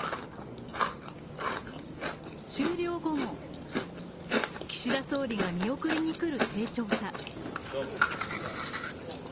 終了後も岸田総理が見送りに来る丁重さ。